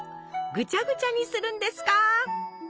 ぐちゃぐちゃにするんですか？